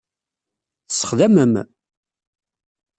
Tessexdamem?